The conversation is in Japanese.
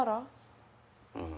うん。